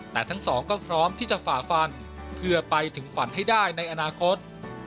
แต่ทั้งสองก็พร้อมที่จะฝ่าฟันเพื่อไปถึงฝันให้ได้ในอนาคต